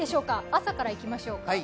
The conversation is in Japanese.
朝からいきましょうか。